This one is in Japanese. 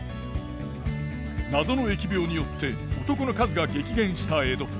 謎の疫病によって男の数が激減した江戸。